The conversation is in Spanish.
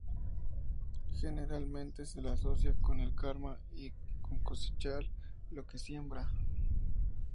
Generalmente se le asocia con el Karma y con cosechar lo que se siembra.